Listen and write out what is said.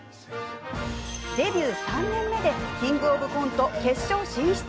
デビュー３年目で「キングオブコント」決勝進出。